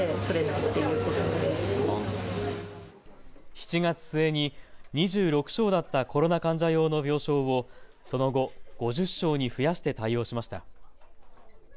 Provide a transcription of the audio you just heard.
７月末に２６床だったコロナ患者用の病床を、その後、５０床に増やして対応しました。